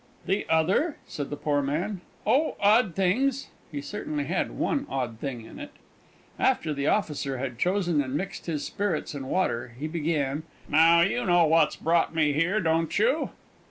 "The other?" said the poor man. "Oh, odd things!" (He certainly had one odd thing in it.) After the officer had chosen and mixed his spirits and water, he began: "Now, you know what's brought me here, don't you?"